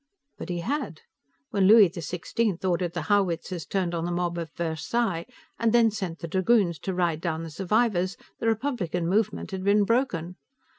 But he had. When Louis XVI ordered the howitzers turned on the mob at Versailles, and then sent the dragoons to ride down the survivors, the Republican movement had been broken.